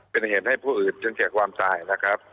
เป็นเหตุให้ผู้อื่นจนแก่ความตายนะครับ